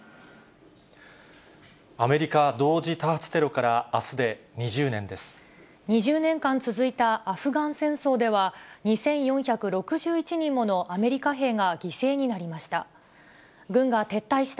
アメリカ同時多発テロからあ２０年間続いたアフガン戦争では、２４６１人ものアメリカ兵が犠牲になりました。